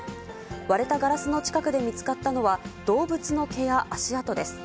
割れたガラスの近くで見つかったのは、動物の毛や足跡です。